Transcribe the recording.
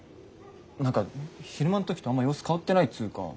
何か昼間の時とあんま様子変わってないっつうか。